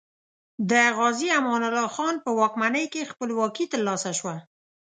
د غازي امان الله خان په واکمنۍ کې خپلواکي تر لاسه شوه.